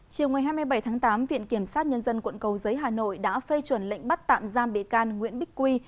chiều ngày hai mươi bảy tháng tám viện kiểm sát nhân dân quận cầu giấy hà nội đã phê chuẩn lệnh bắt tạm giam bị can nguyễn bích quy